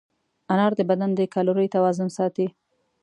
انار د بدن د کالورۍ توازن ساتي.